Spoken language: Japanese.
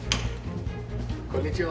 こんにちは。